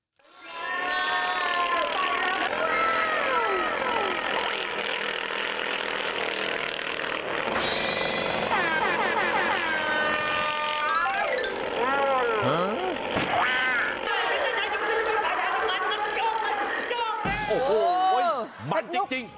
โอ้โหเห็ดนุกมันจริง